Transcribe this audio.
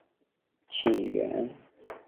它起源于可计算函数和图灵度的研究。